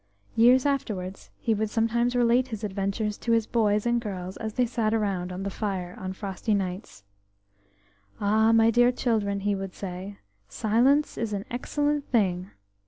Years afterwards he would sometimes relate his adventures to his boys and girls as they sat round the fire on frosty nights. H, my dear children," he would say, "silence is an excellent thing.